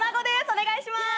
お願いしまーす。